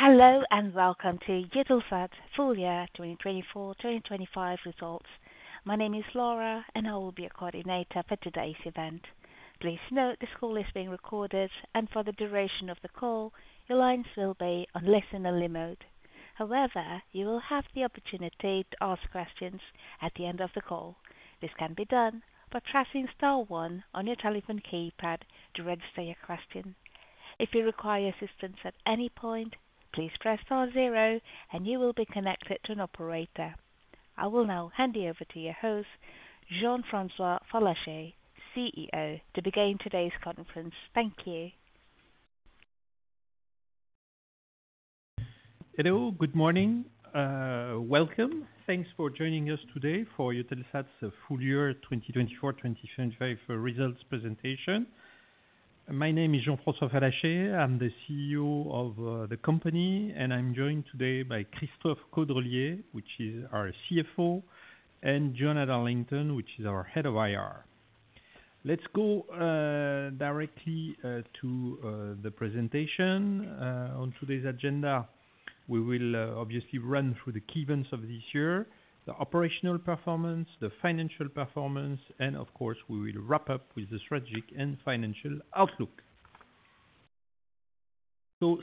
Hello and welcome to Eutelsat Full Year 2024-2025 Results. My name is Laura and I will be your coordinator for today's event. Please note this call is being recorded, and for the duration of the call, your lines will be on listener only mode. However, you will have the opportunity to ask questions at the end of the call. This can be done by pressing star one on your telephone keypad to register your question. If you require assistance at any point, please press star zero and you will be connected to an operator. I will now hand you over to your host, Jean-François Fallacher, CEO, to begin today's conference. Thank you. Hello, good morning. Welcome. Thanks for joining us today for Eutelsat's Full Year 2024-2025 Results presentation. My name is Jean-François Fallacher. I'm the CEO of the company and I'm joined today by Christophe Caudrelier, who is our CFO, and Joanna Darlington, who is our Head of IR. Let's go directly to the presentation. On today's agenda, we will obviously run through the key events of this year, the operational performance, the financial performance, and of course, we will wrap up with the strategic and financial outlook.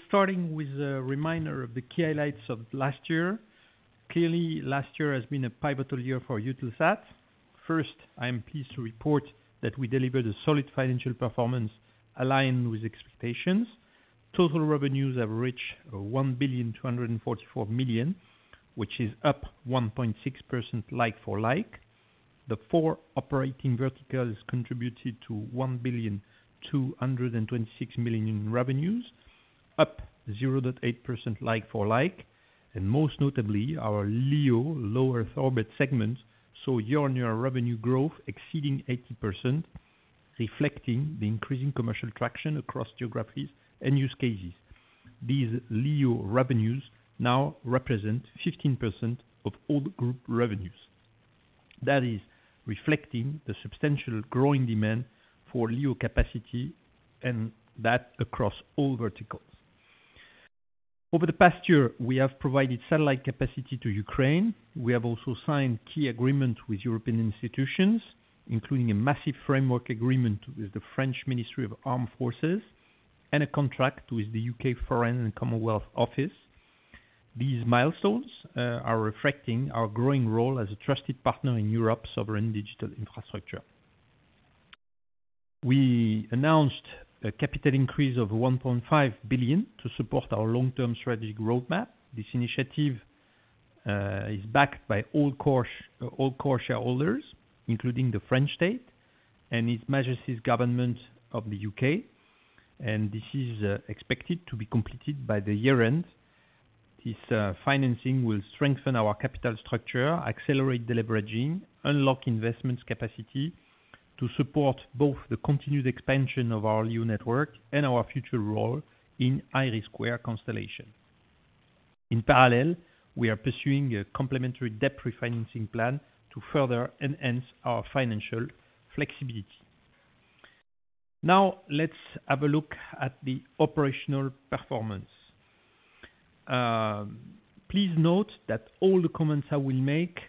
Starting with a reminder of the key highlights of last year, clearly last year has been a pivotal year for Eutelsat. First, I am pleased to report that we delivered a solid financial performance aligned with expectations. Total revenues have reached 1,244,000,000, which is up 1.6% like-for-like. The four operating verticals contributed to 1.226 billion in revenues, up 0.8% like-for-like. Most notably, our LEO, low Earth orbit segment, saw year-on-year revenue growth exceeding 80%, reflecting the increasing commercial traction across geographies and use cases. These LEO revenues now represent 15% of all group revenues. That is reflecting the substantial growing demand for LEO capacity and that across all verticals. Over the past year, we have provided satellite capacity to Ukraine. We have also signed key agreements with European institutions, including a massive framework agreement with the French Ministry of Armed Forces and a contract with the UK Foreign and Commonwealth Office. These milestones are reflecting our growing role as a trusted partner in Europe's sovereign digital infrastructure. We announced a capital increase of 1.5 billion to support our long-term strategic roadmap. This initiative is backed by all core shareholders, including the French state and His Majesty's Government of the United Kingdom, and this is expected to be completed by the year-end. This financing will strengthen our capital structure, accelerate deleveraging, and unlock investment capacity to support both the continued expansion of our LEO network and our future role in the IRIS² constellation. In parallel, we are pursuing a complementary debt refinancing plan to further enhance our financial flexibility. Now let's have a look at the operational performance. Please note that all the comments I will make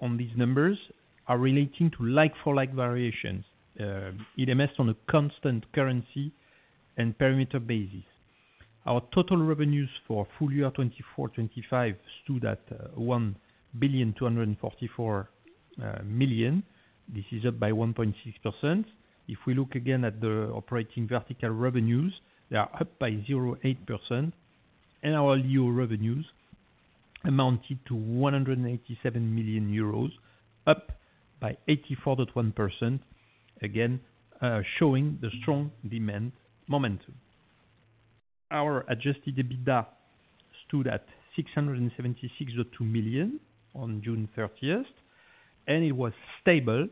on these numbers are relating to like-for-like variations. It emerged on a constant currency and perimeter basis. Our total revenues for Full Year 2024-25 stood at 1.244 billion. This is up by 1.6%. If we look again at the operating vertical revenues, they are up by 0.8% and our LEO revenues amounted to 187 million euros up by 84.1%, again showing the strong demand momentum. Our adjusted EBITDA stood at 676.2 million on June 30th, and it was stable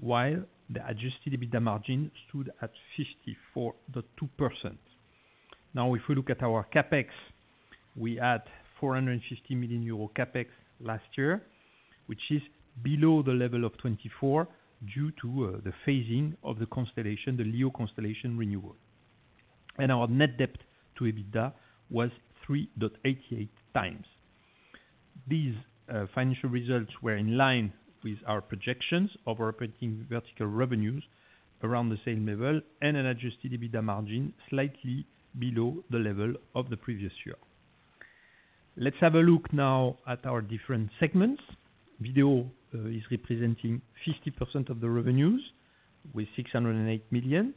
while the adjusted EBITDA margin stood at 54.2%. Now, if we look at our CapEx, we had 450 million euro CapEx last year, which is below the level of 2024 due to the phasing of the constellation, the LEO constellation renewal. Our net debt to EBITDA was 3.88x. These financial results were in line with our projections of our operating vertical revenues around the same level and an adjusted EBITDA margin slightly below the level of the previous year. Let's have a look now at our different segments. Video is representing 50% of the revenues with 608 million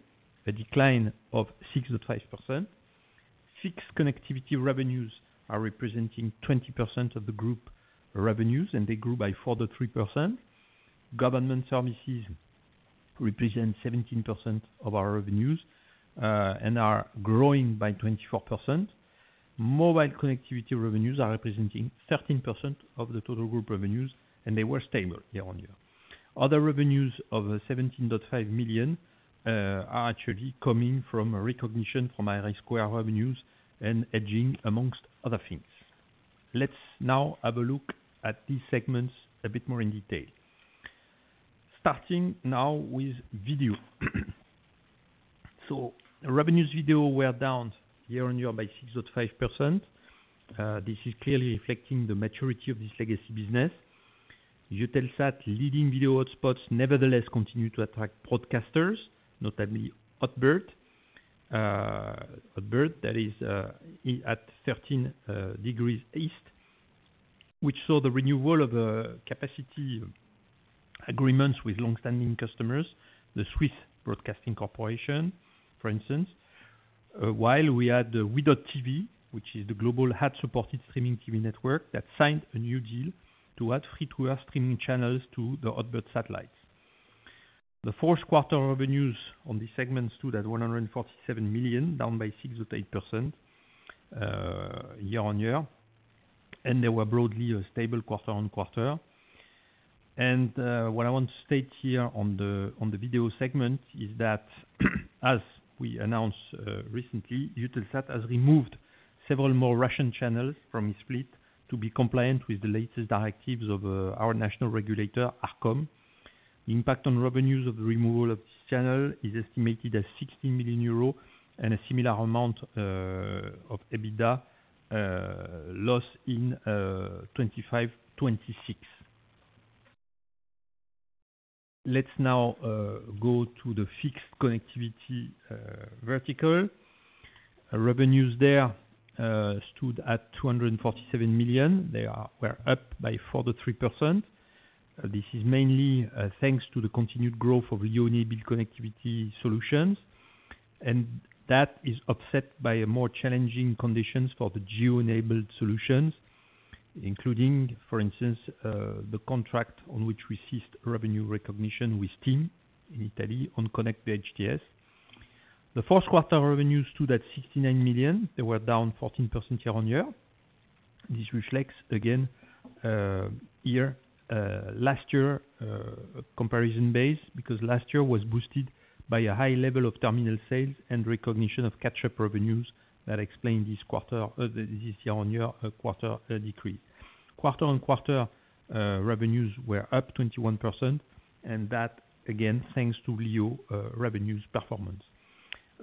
a decline of 6.5%. Fixed connectivity revenues are representing 20% of the group revenues and they grew by 4.3%. Government services represent 17% of our revenues and are growing by 24%. Mobile connectivity revenues are representing 13% of the total group revenues and they were stable year-on-year. Other revenues of 17.5 million are actually coming from recognition from IRIS² revenues and edging, amongst other things. Let's now have a look at these segments a bit more in detail. Starting now with video. Revenues video were down year-on-year by 6.5%. This is clearly reflecting the maturity of this legacy business. Eutelsat's leading video hotspots nevertheless continue to attract broadcasters, notably Hotbird. Hotbird that is at 13 degrees east, which saw the renewal of the capacity agreements with longstanding customers, the Swiss Broadcasting Corporation, for instance. We had wedotv, which is the global HUD-supported streaming TV network that signed a new deal to add free-to-air streaming channels to the Hotbird satellites. The fourth quarter revenues on these segments stood at 147 million, down by 6.8% year-on-year, and they were broadly stable quarter-on-quarter. What I want to state here on the video segment is that as we announced recently, Eutelsat has removed several more Russian channels from Split to be compliant with the latest directives of our national regulator, ARCOM. The impact on revenues of the removal of this channel is estimated at 16 million euros and a similar amount of EBITDA lost in 2025-2026. Let's now go to the fixed connectivity vertical. Revenues there stood at 247 million. They were up by 4.3%. This is mainly thanks to the continued growth of LEO-enabled connectivity solutions. That is offset by more challenging conditions for the geo-enabled solutions, including, for instance, the contract on which we ceased revenue recognition with STM in Italy on KONNECT VHTS. The fourth quarter revenues stood at 69 million. They were down 14% year-on-year. This reflects again last year's comparison base because last year was boosted by a high level of terminal sales and recognition of catch-up revenues that explain this quarter, this year-on-year, a quarter decrease. Quarter-on-quarter revenues were up 21% and that again thanks to LEO revenues performance.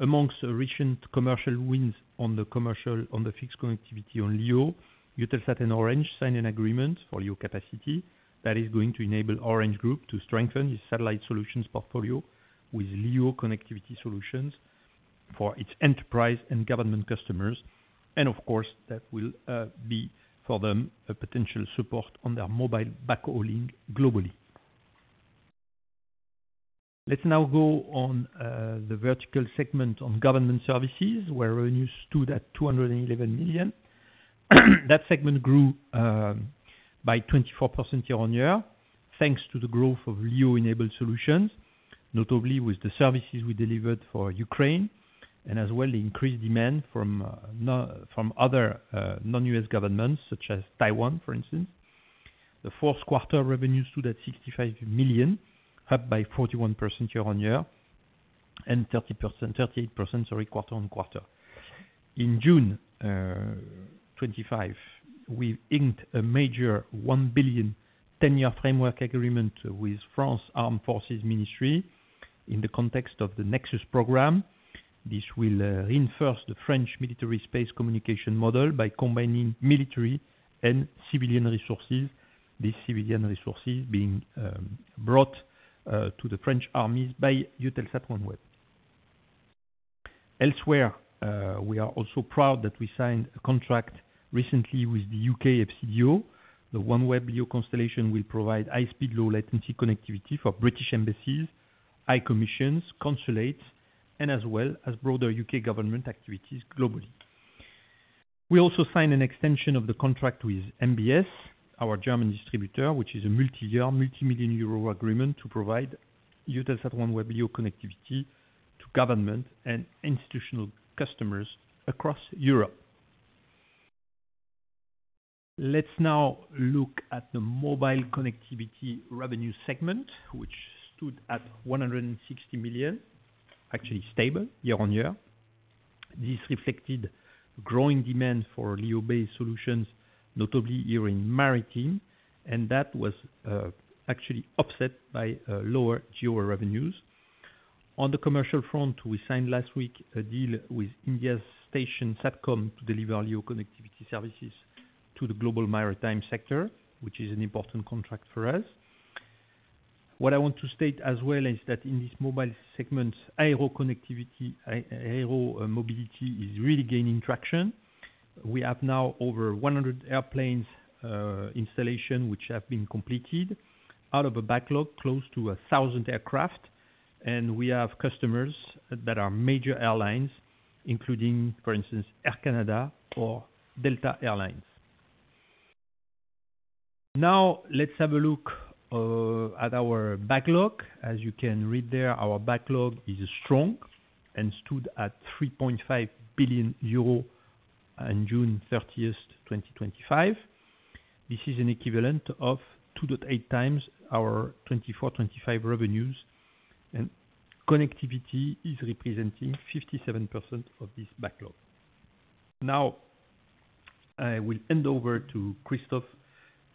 Amongst recent commercial wins on the fixed connectivity on LEO, Eutelsat and Orange signed an agreement for LEO capacity that is going to enable Orange Group to strengthen its satellite solutions portfolio with LEO connectivity solutions for its enterprise and government customers. That will be for them a potential support on their mobile backhauling globally. Let's now go on the vertical segment on government services where revenues stood at 211 million. That segment grew by 24% year-on-year thanks to the growth of LEO-enabled solutions, notably with the services we delivered for Ukraine and as well the increased demand from other non-U.S. governments such as Taiwan, for instance. The fourth quarter revenues stood at 65 million, up by 41% year-on-year and 38% quarter-on-quarter. In June 2025, we inked a major 1 billion 10-year framework agreement with France's Ministry of Armed Forces in the context of the Nexus programme. This will reinforce the French military space communication model by combining military and civilian resources, these civilian resources being brought to the French armies by Eutelsat OneWeb. Elsewhere, we are also proud that we signed a contract recently with the U.K. FCO. The OneWeb LEO constellation will provide high-speed, low-latency connectivity for British embassies, high commissions, consulates, and as well as broader U.K. government activities globally. We also signed an extension of the contract with MBS, our German distributor, which is a multi-year, multi-million euro agreement to provide Eutelsat OneWeb LEO connectivity to government and institutional customers across Europe. Let's now look at the mobile connectivity revenue segment, which stood at 160 million. Actually stable year-on-year. This reflected growing demand for LEO-based solutions, notably here in maritime, and that was actually offset by lower GEO revenues. On the commercial front, we signed last week a deal with India's station Satcom to deliver LEO connectivity services to the global maritime sector, which is an important contract for us. What I want to state as well is that in this mobile segment, aero mobility is really gaining traction. We have now over 100 airplane installations which have been completed out of a backlog close to a thousand aircraft, and we have customers that are major airlines, including, for instance, Air Canada or Delta Air Lines. Now let's have a look at our backlog. As you can read there, our backlog is strong and stood at 3.5 billion euro on June 30, 2025. This is an equivalent of 2.8 times our 2024-2025 revenues, and connectivity is representing 57% of this backlog. Now I will hand over to Christophe,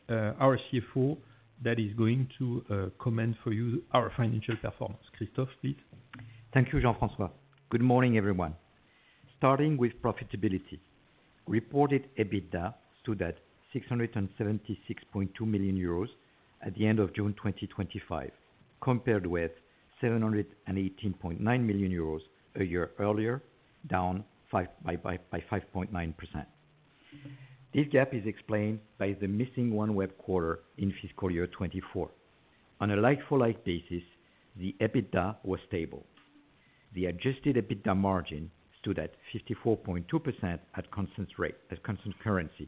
our CFO, that is going to comment for you on our financial performance. Christophe, please. Thank you, Jean-François. Good morning, everyone. Starting with profitability, reported EBITDA stood at 676.2 million euros at the end of June 2025, compared with 718.9 million euros a year earlier, down by 5.9%. This gap is explained by the missing OneWeb quarter in fiscal year 2024. On a like-for-like basis, the EBITDA was stable. The adjusted EBITDA margin stood at 54.2% at constant currency.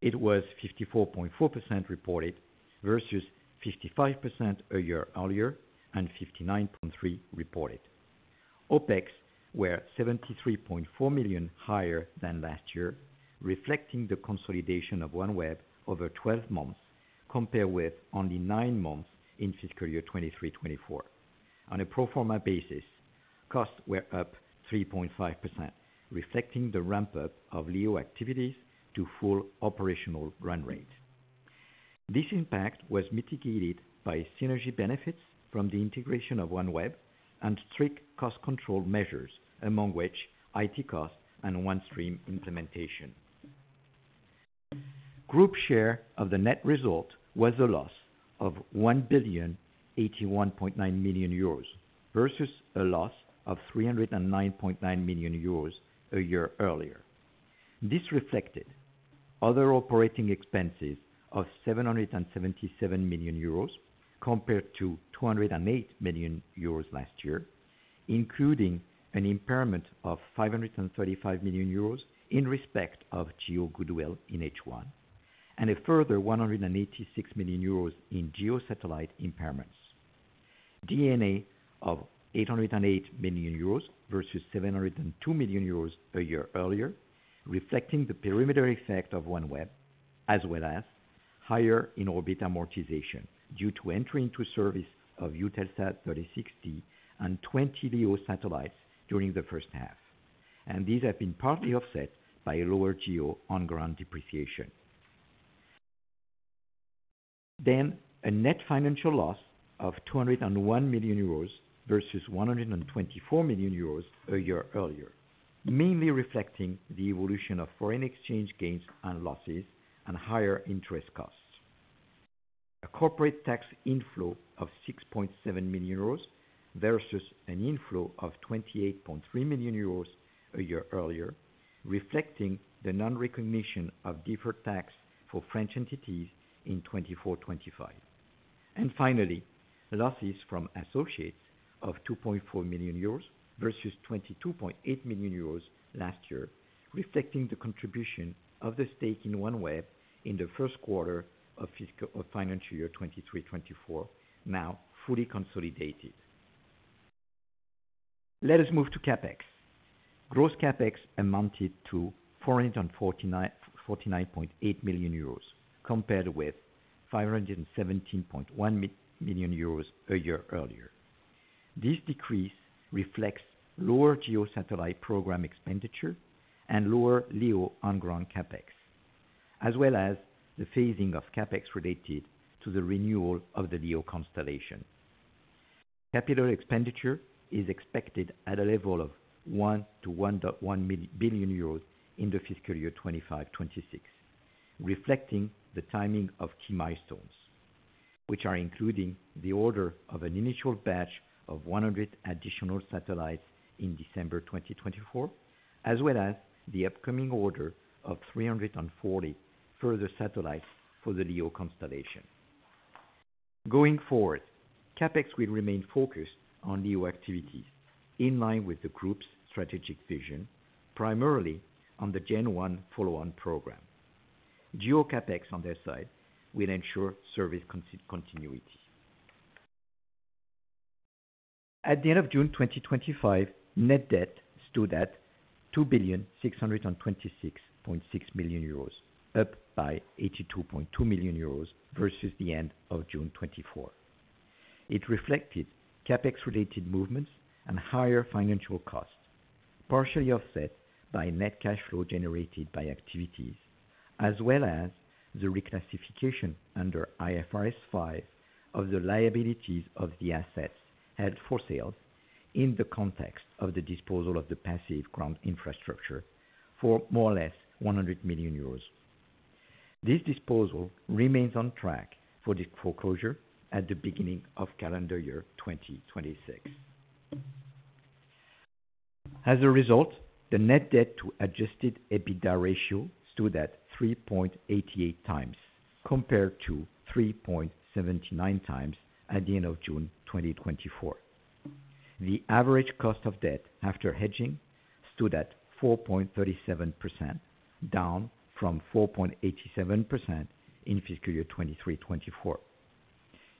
It was 54.4% reported versus 55% a year earlier and 59.3% reported. OpEx were 73.4 million higher than last year, reflecting the consolidation of OneWeb over 12 months compared with only nine months in fiscal year 2023-2024. On a pro forma basis, costs were up 3.5%, reflecting the ramp-up of LEO activities to full operational run rate. This impact was mitigated by synergy benefits from the integration of OneWeb and strict cost control measures, among which IT costs and OneStream implementation. Group share of the net result was a loss of 1,081.9 million euros versus a loss of 309.9 million euros a year earlier. This reflected other operating expenses of 777 million euros compared to 208 million euros last year, including an impairment of 535 million euros in respect of GEO goodwill in H1 and a further 186 million euros in GEO satellite impairments. D&A of 808 million euros versus 702 million euros a year earlier, reflecting the perimeter effect of OneWeb, as well as higher in orbit amortization due to entry into service of Eutelsat 36D and 20 LEO satellites during the first half. These have been partly offset by a lower GEO on-ground depreciation. A net financial loss of 201 million euros versus 124 million euros a year earlier, mainly reflecting the evolution of foreign exchange gains and losses and higher interest costs. A corporate tax inflow of 6.7 million euros versus an inflow of 28.3 million euros a year earlier, reflecting the non-recognition of deferred tax for French entities in 2024-2025. Finally, losses from associates of 2.4 million euros versus 22.8 million euros last year, reflecting the contribution of the stake in OneWeb in the first quarter of financial year 2023-2024, now fully consolidated. Let us move to CapEx. Gross CapEx amounted to 449.8 million euros, compared with 517.1 million euros a year earlier. This decrease reflects lower GEO satellite program expenditure and lower LEO on-ground CapEx, as well as the phasing of CapEx related to the renewal of the LEO constellation. Capital expenditure is expected at a level of 1 billion-1.1 billion euros in the fiscal year 2025-2026, reflecting the timing of key milestones, which are including the order of an initial batch of 100 additional satellites in December 2024, as well as the upcoming order of 340 further satellites for the LEO constellation. Going forward, CapEx will remain focused on LEO activities in line with the group's strategic vision, primarily on the Gen 1 follow-on programme. GEO CapEx on their side will ensure service continuity. At the end of June 2025, net debt stood at 2,626.6 million euros, up by 82.2 million euros versus the end of June 2024. It reflected CapEx-related movements and higher financial costs, partially offset by net cash flow generated by activities, as well as the reclassification under IFRS 5 of the liabilities of the assets held for sale in the context of the disposal of the passive ground infrastructure for more or less 100 million euros. This disposal remains on track for disclosure at the beginning of calendar year 2026. As a result, the net debt to adjusted EBITDA ratio stood at 3.88x compared to 3.79x at the end of June 2024. The average cost of debt after hedging stood at 4.37%, down from 4.87% in fiscal year 2023-2024.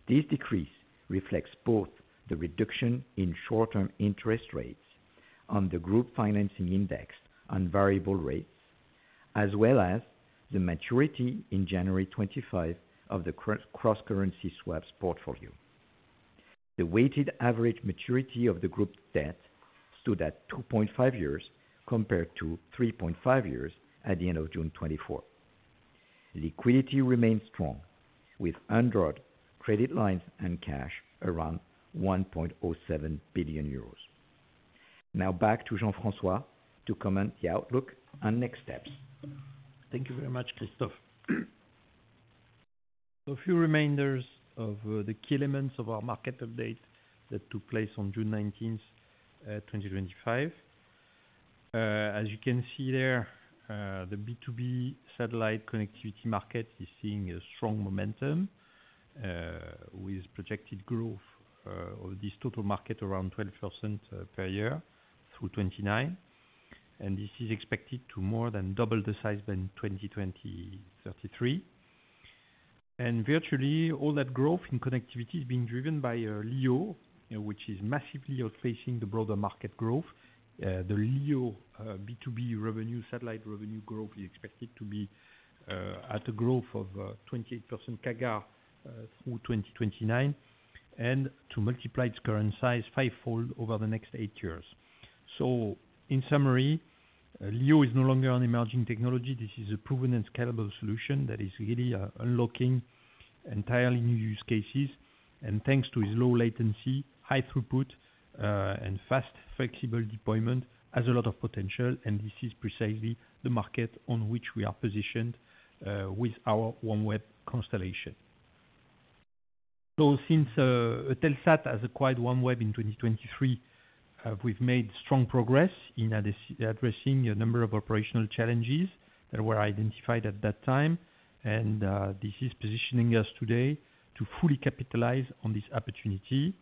This decrease reflects both the reduction in short-term interest rates on the group financing index and variable rates, as well as the maturity in January 2025 of the cross-currency swaps portfolio. The weighted average maturity of the group debt stood at 2.5 years compared to 3.5 years at the end of June 2024. Liquidity remains strong, with underwritten credit lines and cash around 1.07 billion euros. Now back to Jean-François to comment the outlook and next steps. Thank you very much, Christophe. A few reminders of the key elements of our market update that took place on June 19, 2025. As you can see there, the B2B satellite connectivity market is seeing strong momentum with projected growth of this total market around 12% per year through 2029. This is expected to more than double the size by 2033. Virtually all that growth in connectivity is being driven by LEO, which is massively outpacing the broader market growth. The LEO B2B satellite revenue growth is expected to be at a growth of 28% CAGR through 2029 and to multiply its current size five-fold over the next eight years. In summary, LEO is no longer an emerging technology. This is a proven and scalable solution that is really unlocking entirely new use cases. Thanks to its low latency, high throughput, and fast flexible deployment, it has a lot of potential. This is precisely the market on which we are positioned with our OneWeb network. Since Eutelsat has acquired OneWeb in 2023, we've made strong progress in addressing a number of operational challenges that were identified at that time. This is positioning us today to fully capitalize on this opportunity.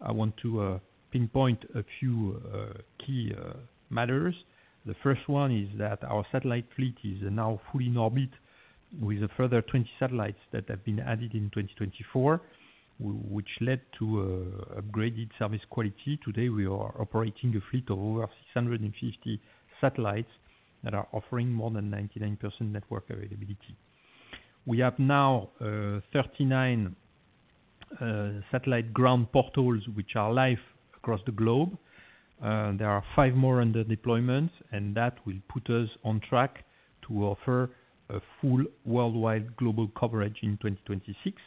I want to pinpoint a few key matters. The first one is that our satellite fleet is now fully in orbit with a further 20 satellites that have been added in 2024, which led to upgraded service quality. Today, we are operating a fleet of over 650 satellites that are offering more than 99% network availability. We have now 39 satellite ground portals, which are live across the globe. There are five more under deployment, and that will put us on track to offer full worldwide global coverage in 2026.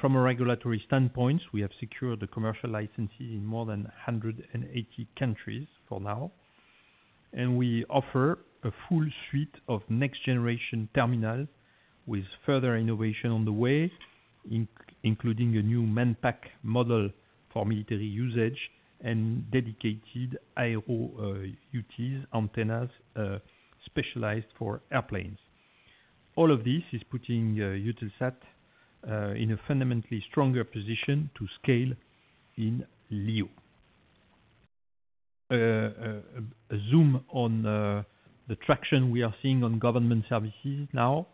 From a regulatory standpoint, we have secured the commercial licenses in more than 180 countries for now. We offer a full suite of next-generation terminals with further innovation on the way, including a new man-packed model for military usage and dedicated IOUTs, antennas specialized for airplanes. All of this is putting Eutelsat in a fundamentally stronger position to scale in LEO. A zoom on the traction we are seeing on government services now.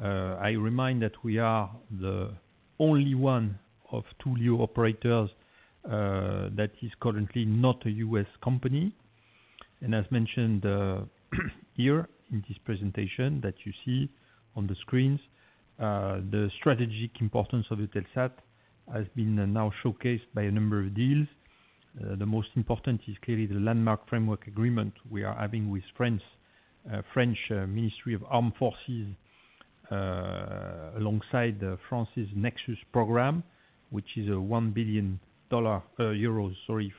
I remind that we are the only one of two LEO operators that is currently not a U.S. company. As mentioned here in this presentation that you see on the screens, the strategic importance of Eutelsat has been now showcased by a number of deals. The most important is clearly the landmark framework agreement we are having with France, the French Ministry of Armed Forces, alongside France's Nexus programme, which is a EUR 1 billion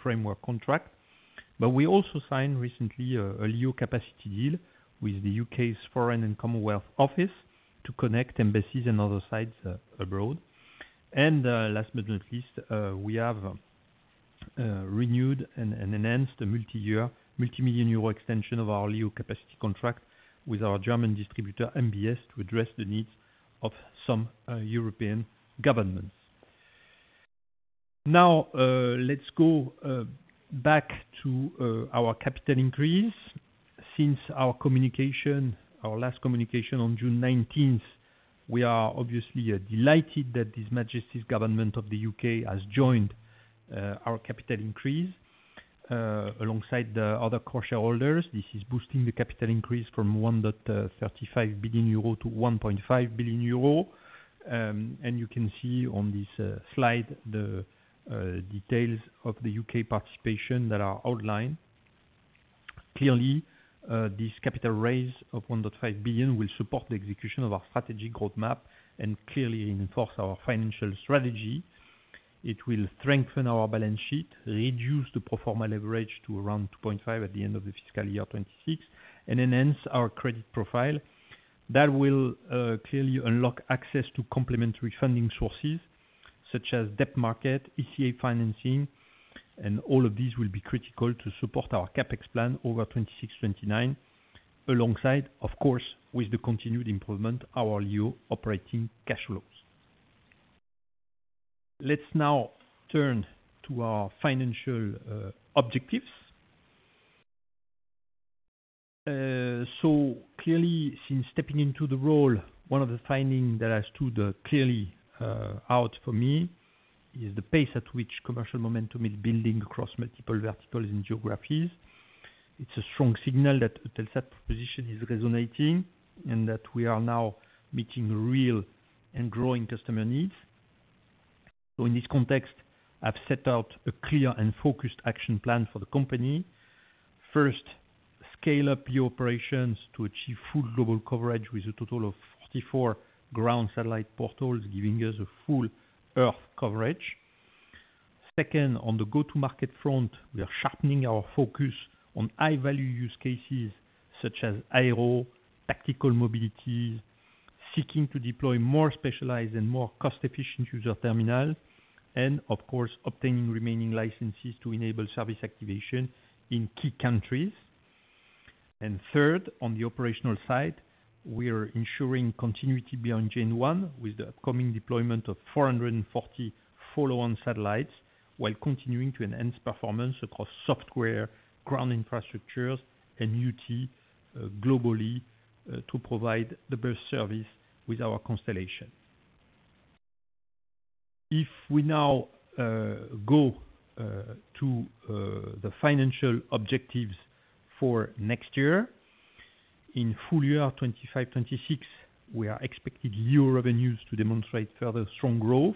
framework contract. We also signed recently a LEO capacity deal with the UK's Foreign and Commonwealth Office to connect embassies and other sites abroad. Last but not least, we have renewed and enhanced a multi-year, multi-million euro extension of our LEO capacity contract with our German distributor, MBS, to address the needs of some European governments. Now let's go back to our capital increase. Since our last communication on June 19th, we are obviously delighted that His Majesty's Government of the UK has joined our capital increase. Alongside the other core shareholders, this is boosting the capital increase from 1.35 billion-1.5 billion euro. You can see on this slide the details of the UK participation that are outlined. Clearly, this capital raise of 1.5 billion will support the execution of our strategic roadmap and reinforce our financial strategy. It will strengthen our balance sheet, reduce the pro forma leverage to around 2.5% at the end of the fiscal year 2026, and enhance our credit profile. That will unlock access to complementary funding sources such as debt market, ECA financing, and all of these will be critical to support our CapEx plan over 2026-2029, alongside, of course, the continued improvement of our LEO operating cash flows. Let's now turn to our financial objectives. Clearly, since stepping into the role, one of the findings that has stood out for me is the pace at which commercial momentum is building across multiple verticals and geographies. It's a strong signal that Eutelsat's proposition is resonating and that we are now meeting real and growing customer needs. In this context, I've set out a clear and focused action plan for the company. First, scale up your operations to achieve full global coverage with a total of 44 ground satellite portals, giving us a full Earth coverage. Second, on the go-to-market front, we are sharpening our focus on high-value use cases such as IRO, tactical mobilities, seeking to deploy more specialized and more cost-efficient user terminals, and obtaining remaining licenses to enable service activation in key countries. Third, on the operational side, we are ensuring continuity beyond Gen 1 with the upcoming deployment of 440 follow-on satellites while continuing to enhance performance across software, ground infrastructures, and UT globally to provide the best service with our Constellation. If we now go to the financial objectives for next year, in Full Year 2025-2026, we are expecting LEO revenues to demonstrate further strong growth,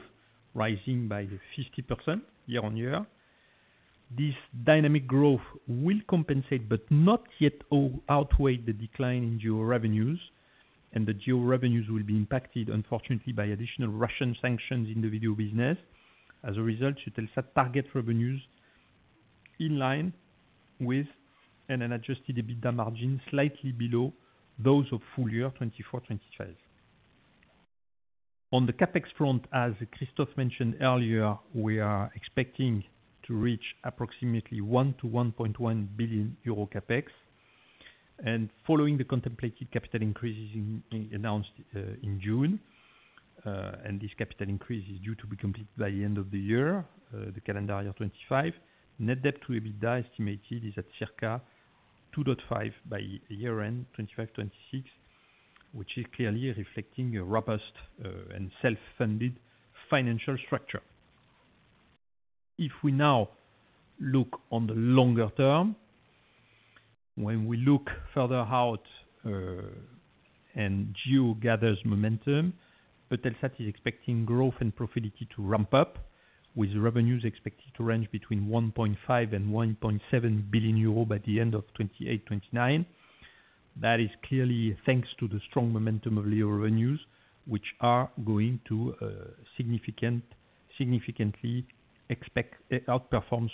rising by 50% year-on-year. This dynamic growth will compensate, but not yet outweigh the decline in GEO revenues, and the GEO revenues will be impacted, unfortunately, by additional Russian sanctions in the video business. As a result, Eutelsat Group targets revenues in line with an adjusted EBITDA margin slightly below those of Full Year 2024-2025. On the CapEx front, as Christophe Caudrelier mentioned earlier, we are expecting to reach approximately 1 billion-1.1 billion euro CapEx. Following the contemplated capital increases announced in June, and this capital increase is due to be completed by the end of the calendar year 2025, net debt to EBITDA estimated is at circa 2.5% by year-end 2025-2026, which is clearly reflecting a robust and self-funded financial structure. If we now look on the longer term, when we look further out and GEO gathers momentum, Eutelsat Group is expecting growth and profitability to ramp up with revenues expected to range between 1.5 billion and 1.7 billion euro by the end of 2028-2029. That is clearly thanks to the strong momentum of LEO revenues, which are going to significantly outperform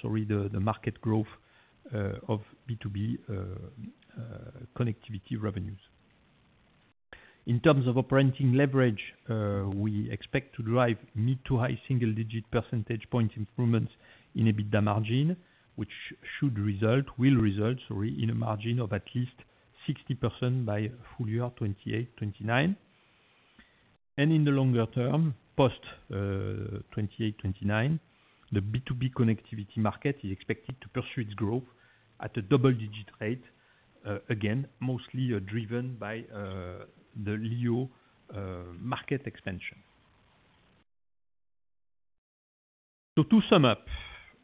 the market growth of B2B connectivity revenues. In terms of operating leverage, we expect to drive mid to high single-digit percentage point improvements in EBITDA margin, which will result in a margin of at least 60% by Full Year 2028-2029. In the longer term, post 2028-2029, the B2B connectivity market is expected to pursue its growth at a double-digit rate, mostly driven by the LEO market expansion. To sum up,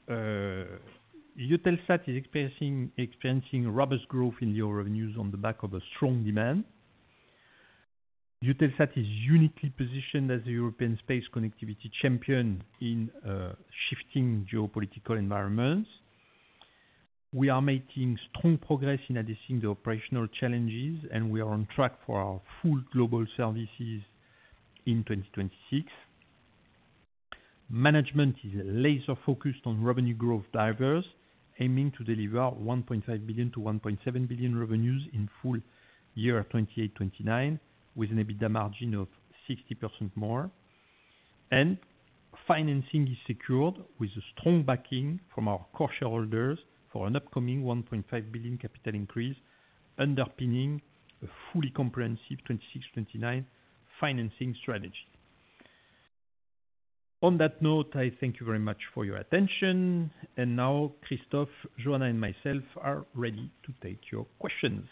Eutelsat Group is experiencing robust growth in LEO revenues on the back of strong demand. Eutelsat Group is uniquely positioned as a European space connectivity champion in shifting geopolitical environments. We are making strong progress in addressing the operational challenges, and we are on track for our full global services in 2026. Management is laser-focused on revenue growth drivers, aiming to deliver 1.5 billion-1.7 billion revenues in Full Year 2028-2029, with an EBITDA margin of 60% or more. Financing is secured with strong backing from our core shareholders for an upcoming 1.5 billion capital increase, underpinning a fully comprehensive 2026-2029 financing strategy. On that note, I thank you very much for your attention. Christophe, Joanna, and myself are ready to take your questions.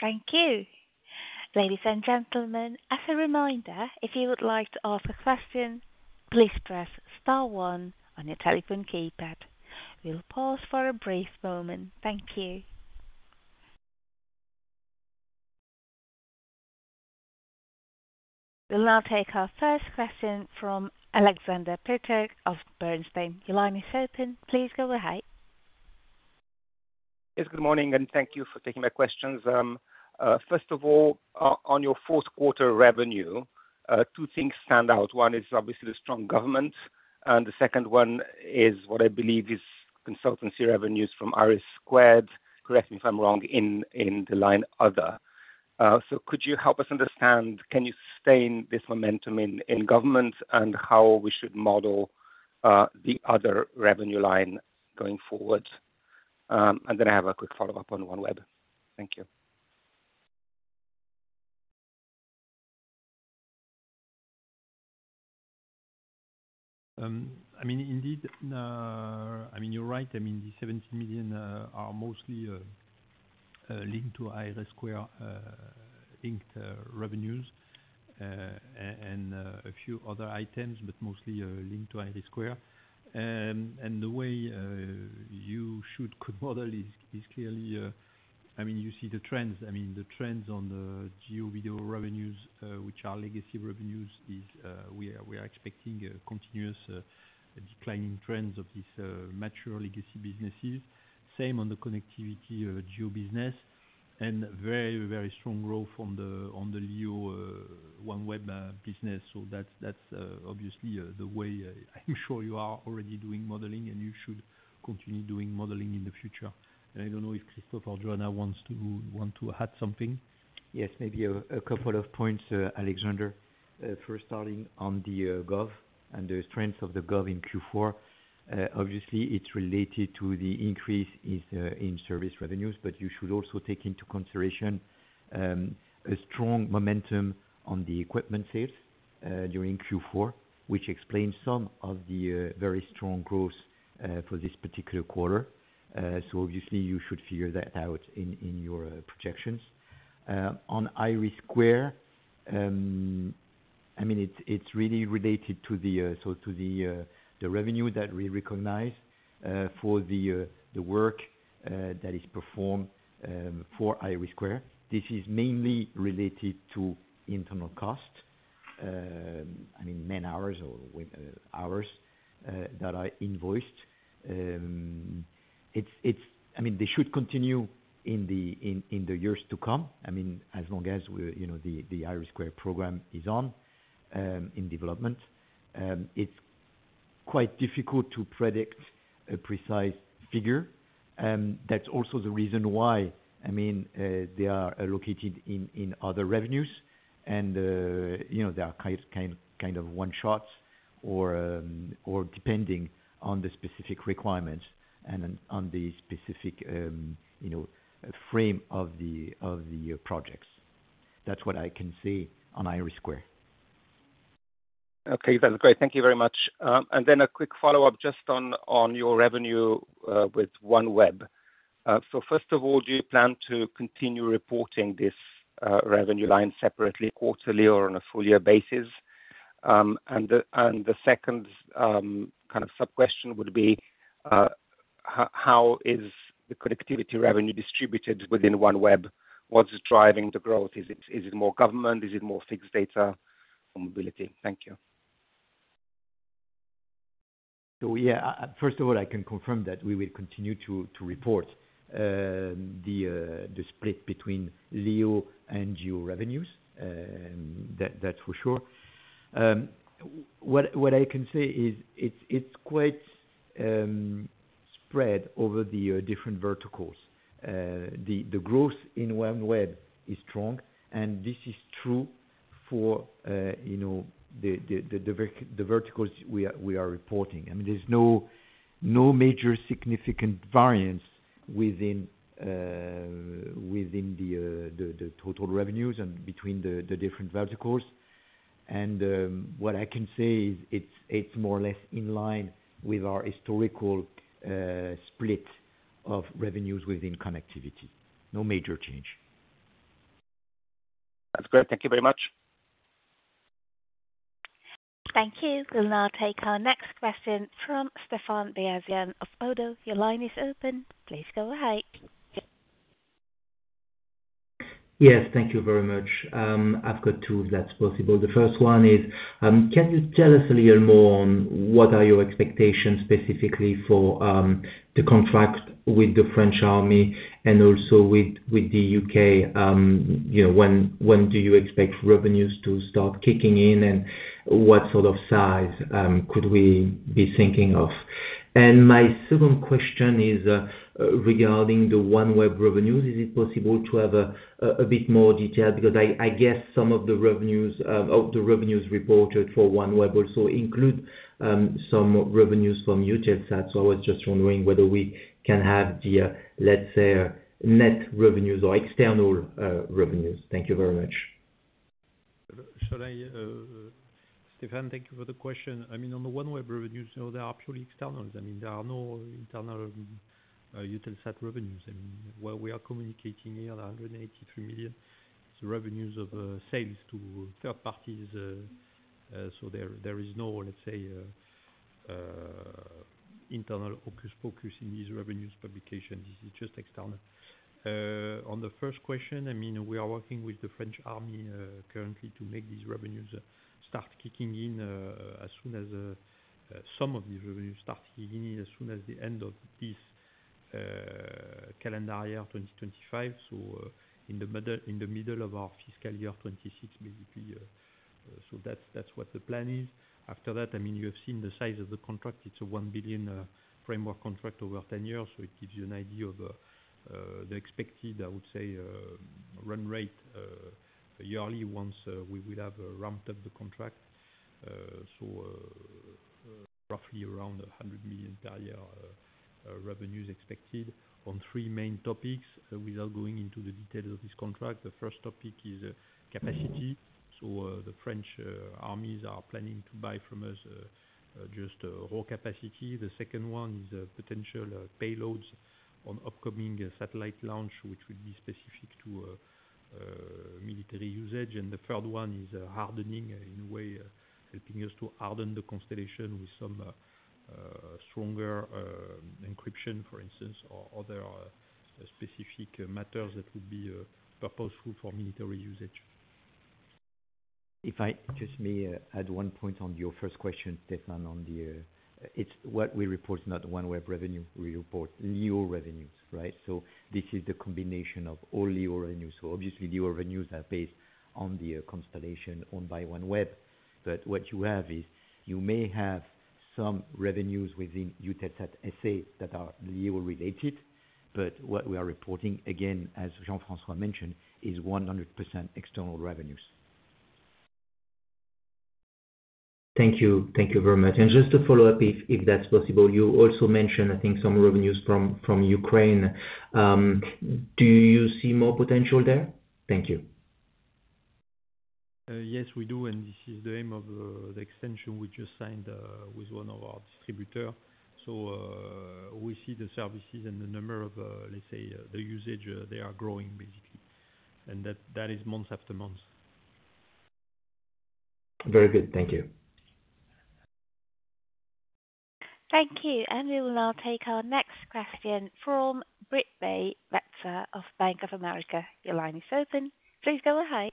Thank you. Ladies and gentlemen, as a reminder, if you would like to ask a question, please press star one on your telephone keypad. We'll pause for a brief moment. Thank you. We'll now take our first question from Alexander Peterc of Bernstein. Your line is open. Please go ahead. Yes, good morning, and thank you for taking my questions. First of all, on your fourth quarter revenue, two things stand out. One is obviously the strong government, and the second one is what I believe is consultancy revenues from IRIS². Correct me if I'm wrong in the line other. Could you help us understand, can you sustain this momentum in government and how we should model the other revenue line going forward? I have a quick follow-up on OneWeb. Thank you. You're right. The 17 million are mostly linked to IRIS² linked revenues and a few other items, but mostly linked to IRIS². The way you should model is clearly, you see the trends. The trends on the GEO video revenues, which are legacy revenues, is we are expecting continuous declining trends of these mature legacy businesses. Same on the connectivity GEO business and very, very strong growth on the LEO OneWeb business. That's obviously the way I'm sure you are already doing modeling and you should continue doing modeling in the future. I don't know if Christophe or Joanna want to add something. Yes, maybe a couple of points, Alexander. First, starting on the GOV and the strength of the GOV in Q4. Obviously, it's related to the increase in service revenues, but you should also take into consideration a strong momentum on the equipment sales during Q4, which explains some of the very strong growth for this particular quarter. You should figure that out in your projections. On IRIS², it's really related to the revenue that we recognize for the work that is performed for IRIS². This is mainly related to internal costs, man hours or hours that are invoiced. They should continue in the years to come, as long as the IRIS² programme is in development. It's quite difficult to predict a precise figure. That's also the reason why they are located in other revenues and they are kind of one shot or depending on the specific requirements and on the specific frame of the projects. That's what I can say on IRIS². Okay, that's great. Thank you very much. A quick follow-up just on your revenue with OneWeb. First of all, do you plan to continue reporting this revenue line separately quarterly or on a full-year basis? The second kind of sub-question would be, how is the connectivity revenue distributed within OneWeb? What's driving the growth? Is it more government? Is it more fixed data or mobility? Thank you. First of all, I can confirm that we will continue to report the split between LEO and GEO revenues. That's for sure. What I can say is it's quite spread over the different verticals. The growth in OneWeb is strong and this is true for the verticals we are reporting. I mean, there's no major significant variance within the total revenues and between the different verticals. What I can say is it's more or less in line with our historical split of revenues within connectivity. No major change. That's great. Thank you very much. Thank you. We'll now take our next question from Stéphane Beyazian of Oddo. Your line is open. Please go ahead. Yes, thank you very much. I've got two, if that's possible. The first one is, can you tell us a little more on what are your expectations specifically for the contract with the French Ministry of Armed Forces and also with the U.K.? You know, when do you expect revenues to start kicking in and what sort of size could we be thinking of? My second question is regarding the OneWeb revenues. Is it possible to have a bit more detail? I guess some of the revenues reported for OneWeb also include some revenues from Eutelsat. I was just wondering whether we can have the, let's say, net revenues or external revenues. Thank you very much. Sorry, Stéphane, thank you for the question. On the OneWeb revenues, they are purely external. There are no internal Eutelsat revenues. What we are communicating here, the $183 million is revenues of sales to third parties. There is no, let's say, internal hocus pocus in these revenues publications. It's just external. On the first question, we are working with the French army currently to make these revenues start kicking in as soon as the end of this calendar year 2025, in the middle of our fiscal year 2026, basically. That's what the plan is. After that, you have seen the size of the contract. It's a $1 billion framework contract over 10 years. It gives you an idea of the expected, I would say, run rate for yearly once we will have ramped up the contract. Roughly around $100 million per year revenues expected on three main topics without going into the details of this contract. The first topic is capacity. The French army is planning to buy from us just raw capacity. The second one is potential payloads on upcoming satellite launch, which would be specific to military usage. The third one is hardening, in a way, helping us to harden the constellation with some stronger encryption, for instance, or other specific matters that would be purposeful for military usage. If I just may add one point on your first question, Stéphane, what we report is not the OneWeb revenue. We report LEO revenues, right? This is the combination of all LEO revenues. Obviously, LEO revenues are based on the constellation owned by OneWeb. What you have is you may have some revenues within Eutelsat assets that are LEO related. What we are reporting, again, as Jean-François mentioned, is 100% external revenues. Thank you. Thank you very much. Just to follow up, if that's possible, you also mentioned, I think, some revenues from Ukraine. Do you see more potential there? Thank you. Yes, we do. This is the aim of the extension we just signed with one of our distributors. We see the services and the number of, let's say, the usage, they are growing, basically. That is month after month. Very good. Thank you. Thank you. We will now take our next question from Brittany Metzer of Bank of America. Your line is open. Please go ahead.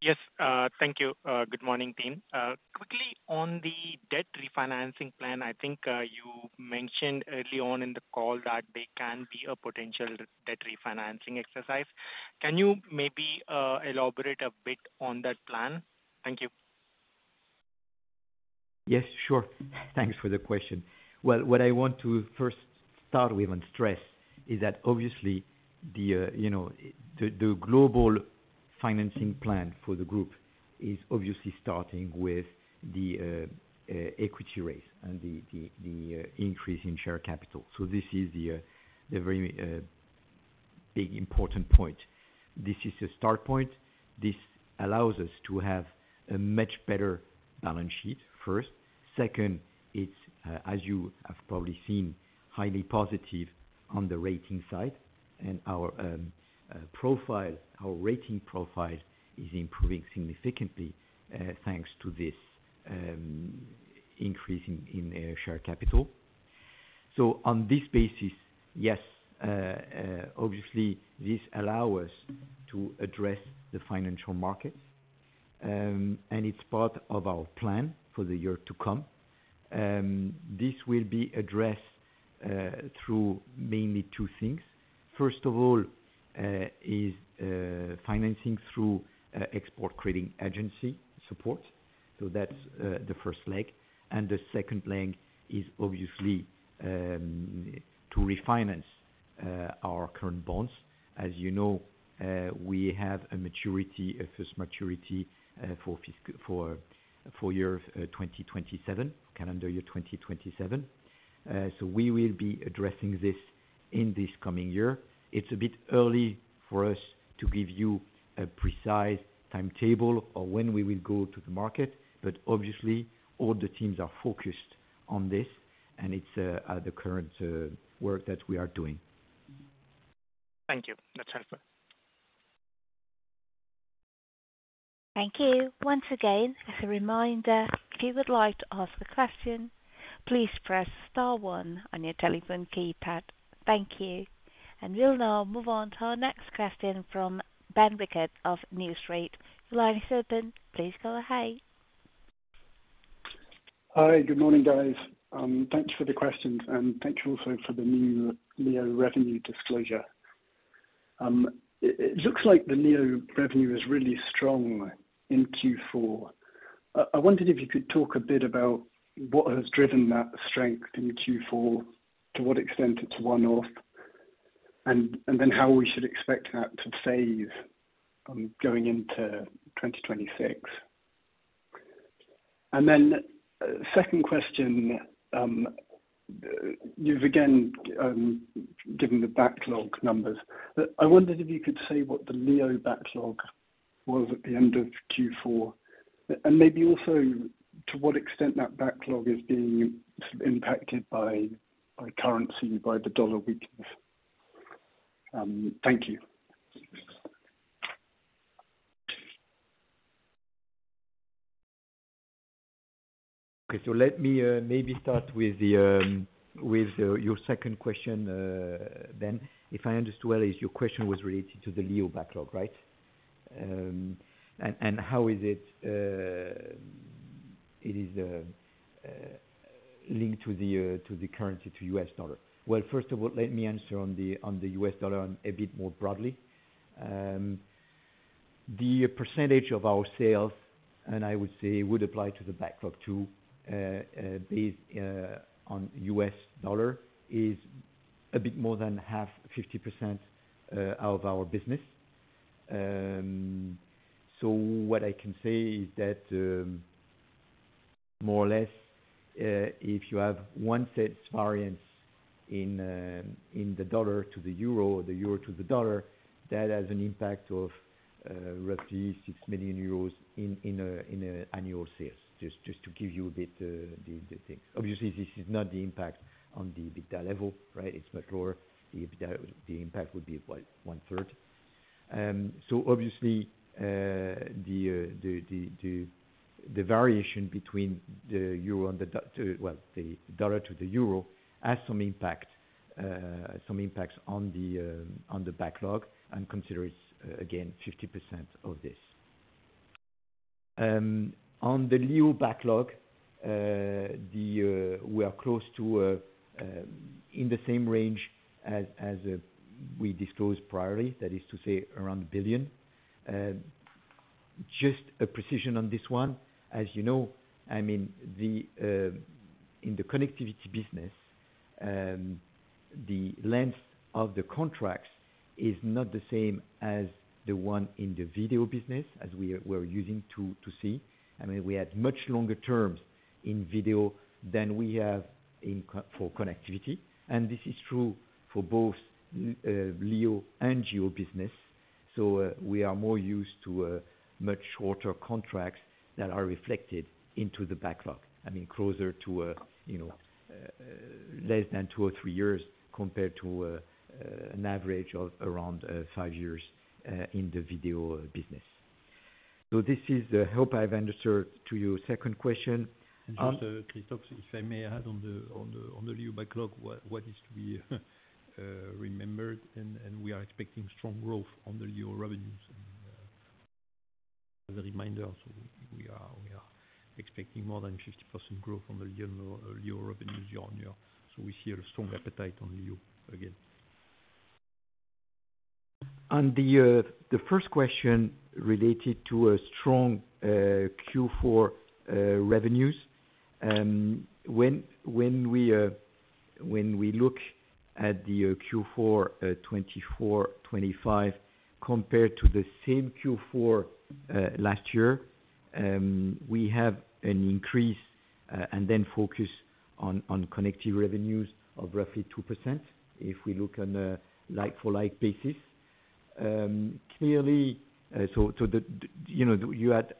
Yes, thank you. Good morning, team. Quickly, on the debt refinancing plan, I think you mentioned early on in the call that there can be a potential debt refinancing exercise. Can you maybe elaborate a bit on that plan? Thank you. Yes, sure. Thanks for the question. What I want to first start with and stress is that obviously, the global financing plan for the group is obviously starting with the equity raise and the increase in share capital. This is the very big, important point. This is a start point. This allows us to have a much better balance sheet, first. Second, it's, as you have probably seen, highly positive on the rating side. Our profile, our rating profile is improving significantly thanks to this increase in share capital. On this basis, yes, obviously, this allows us to address the financial markets. It's part of our plan for the year to come. This will be addressed through mainly two things. First of all, is financing through export trading agency support. That's the first leg. The second leg is obviously to refinance our current bonds. As you know, we have a maturity, a first maturity for year 2027, calendar year 2027. We will be addressing this in this coming year. It's a bit early for us to give you a precise timetable or when we will go to the market. Obviously, all the teams are focused on this, and it's the current work that we are doing. Thank you. That's helpful. Thank you. Once again, as a reminder, if you would like to ask a question, please press star one on your telephone keypad. Thank you. We will now move on to our next question from Ben Rickett of New Street. Your line is open. Please go ahead. Hi, good morning, guys. Thanks for the questions, and thanks also for the new LEO revenue disclosure. It looks like the LEO revenue is really strong in Q4. I wondered if you could talk a bit about what has driven that strength in Q4, to what extent it's worn off, and how we should expect that to phase going into 2026. The second question, you've again given the backlog numbers. I wondered if you could say what the LEO backlog was at the end of Q4, and maybe also to what extent that backlog is being sort of impacted by currency, by the dollar weakness. Thank you. Okay, so let me maybe start with your second question, Ben. If I understood well, your question was related to the LEO backlog, right? How is it linked to the currency, to U.S. dollar? First of all, let me answer on the U.S. dollar a bit more broadly. The percentage of our sales, and I would say it would apply to the backlog too, based on U.S. dollar, is a bit more than half, 50% of our business. What I can say is that more or less, if you have one set of variance in the dollar to the euro or the euro to the dollar, that has an impact of roughly 6 million euros in annual sales, just to give you the data. Obviously, this is not the impact on the EBITDA level, right? It's much lower. The impact would be one third. Obviously, the variation between the euro and the dollar to the euro has some impacts on the backlog and considers again 50% of this. On the LEO backlog, we are close to in the same range as we disclosed priorly, that is to say around 1 billion. Just a precision on this one. As you know, in the connectivity business, the length of the contracts is not the same as the one in the video business, as we were using to see. We had much longer terms in video than we have for connectivity. This is true for both LEO and GEO business. We are more used to much shorter contracts that are reflected into the backlog, closer to less than two or three years compared to an average of around five years in the video business. This is the help I've answered to your second question. Christophe, if I may add on the LEO backlog, what is to be remembered, we are expecting strong growth on the LEO revenues. As a reminder, we are expecting more than 50% growth on the LEO revenues year-on-year. We see a strong appetite on LEO again. The first question related to strong Q4 revenues. When we look at Q4 2024-2025 compared to the same Q4 last year, we have an increase and then focus on connectivity revenues of roughly 2% if we look on a like-for-like basis. Clearly, you're at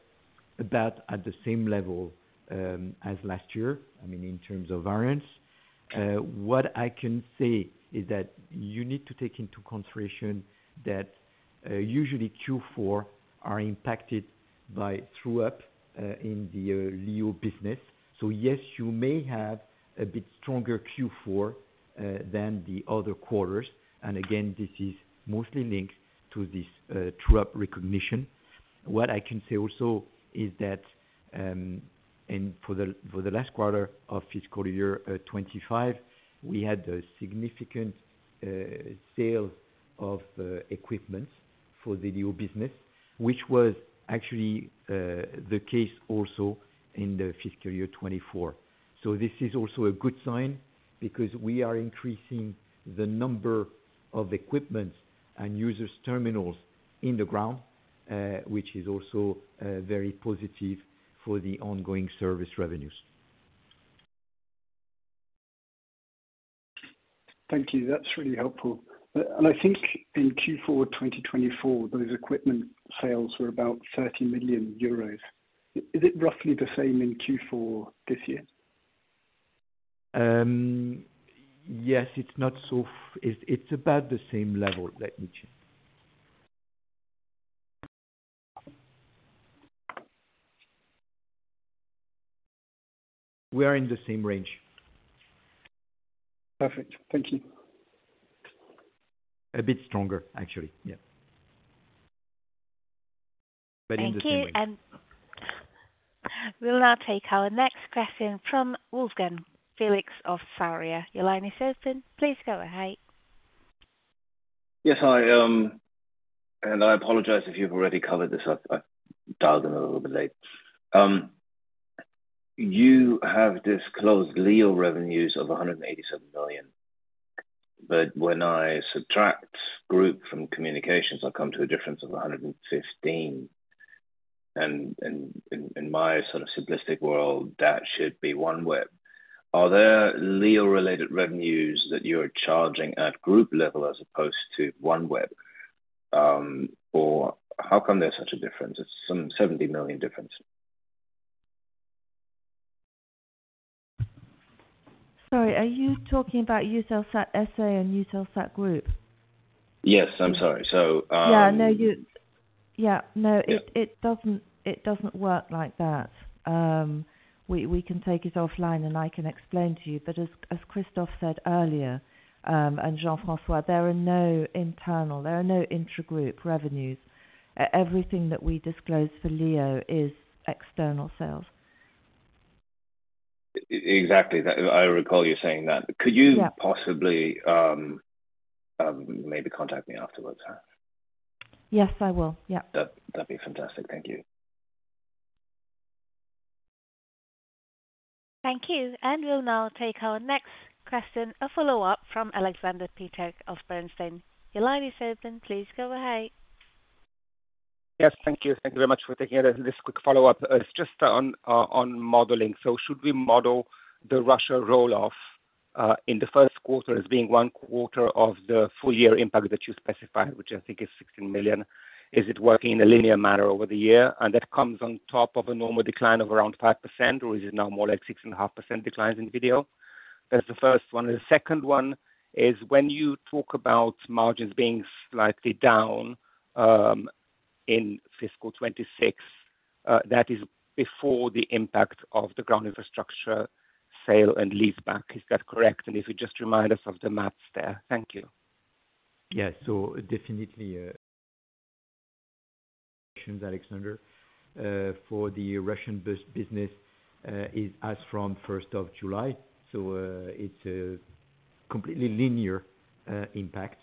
about the same level as last year, I mean, in terms of variance. What I can say is that you need to take into consideration that usually Q4s are impacted by true-up in the LEO business. Yes, you may have a bit stronger Q4 than the other quarters. This is mostly linked to this true-up recognition. What I can say also is that for the last quarter of fiscal year 2025, we had a significant sale of equipment for the new business, which was actually the case also in fiscal year 2024. This is also a good sign because we are increasing the number of equipment and users' terminals in the ground, which is also very positive for the ongoing service revenues. Thank you. That's really helpful. I think in Q4 2024, those equipment sales were about 30 million euros. Is it roughly the same in Q4 this year? Yes, it's not so. It's about the same level. Let me check. We are in the same range. Perfect. Thank you. A bit stronger actually, yeah, but in the same range. Thank you. We'll now take our next question from Wolfgang Felix of Sarria. Your line is open. Please go ahead. Yes, hi. I apologize if you've already covered this. I dialed in a little bit late. You have disclosed LEO revenues of 187 million. When I subtract group from communications, I come to a difference of 115 million. In my sort of simplistic world, that should be OneWeb. Are there LEO-related revenues that you're charging at group level as opposed to OneWeb? How come there's such a difference? It's some 70 million difference. Sorry, are you talking about Eutelsat S.A. and Eutelsat Group? Yes, I'm sorry. No, it doesn't work like that. We can take it offline and I can explain to you. As Christophe said earlier, and Jean-François, there are no internal, there are no intra-group revenues. Everything that we disclose for LEO is external sales. Exactly. I recall you saying that. Could you possibly contact me afterwards? Yes, I will. That'd be fantastic. Thank you. Thank you. We'll now take our next question, a follow-up from Alexander Peterc of Bernstein. Your line is open. Please go ahead. Yes, thank you. Thank you very much for taking this quick follow-up. It's just on modeling. Should we model the Russia rolloff in the first quarter as being one quarter of the full-year impact that you specified, which I think is 16 million? Is it working in a linear manner over the year? That comes on top of a normal decline of around 5%, or is it now more like 6.5% declines in video? That's the first one. The second one is when you talk about margins being slightly down in fiscal 2026, that is before the impact of the ground infrastructure sale and leaseback. Is that correct? If you just remind us of the maths there. Thank you. Yeah, so definitely the questions, Alexander, for the Russian business is as from 1st of July. It's a completely linear impact.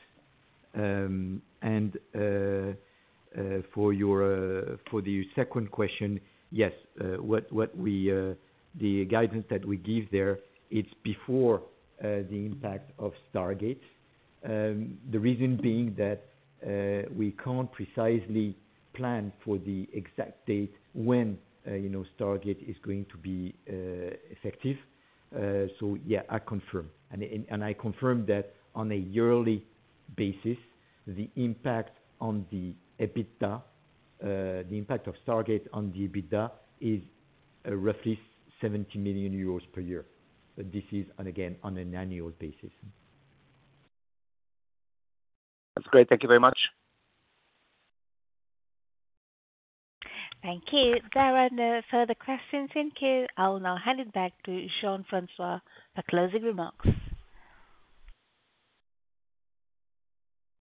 For the second question, yes, the guidance that we give there, it's before the impact of Stargate. The reason being that we can't precisely plan for the exact date when Stargate is going to be effective. I confirm that on a yearly basis, the impact on the EBITDA, the impact of Stargate on the EBITDA, is roughly 70 million euros per year. This is, again, on an annual basis. That's great. Thank you very much. Thank you. If there are no further questions in queue, I'll now hand it back to Jean-François for closing remarks.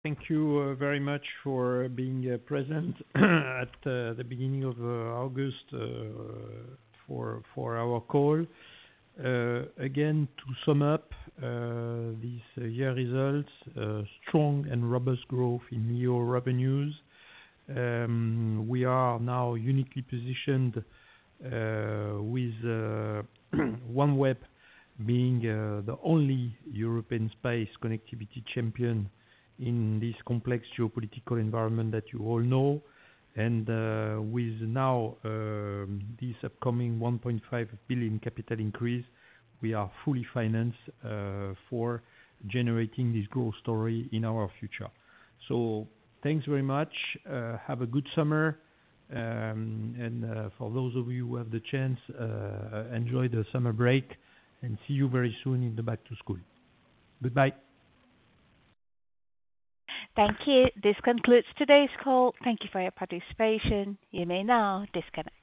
Thank you very much for being present at the beginning of August for our call. Again, to sum up these year results, strong and robust growth in LEO revenues. We are now uniquely positioned with OneWeb being the only European space connectivity champion in this complex geopolitical environment that you all know. With now this upcoming 1.5 billion capital increase, we are fully financed for generating this growth story in our future. Thank you very much. Have a good summer. For those of you who have the chance, enjoy the summer break and see you very soon in the back to school. Goodbye. Thank you. This concludes today's call. Thank you for your participation. You may now disconnect.